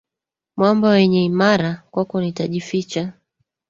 Mwamba wenye imara, kwako nitajificha.